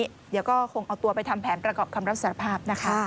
เดี๋ยวก็คงเอาตัวไปทำแผนประกอบคำรับสารภาพนะคะ